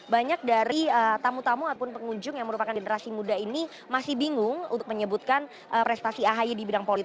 banyak dari tamu tamu ataupun pengunjung yang merupakan generasi muda ini masih bingung untuk menyebutkan prestasi ahi di bidang politik